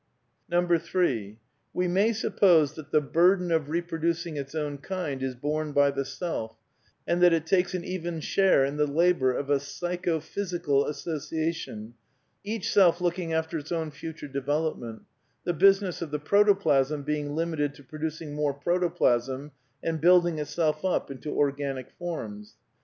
3. We may suppose that the burden of reproducing its own kind is borne by the self, and that it takes an even share in the labour of a psycho physical association, each self looking after its own future development, the business of the protoplasm being limited to producing more proto plasm and building itself up into organic forms.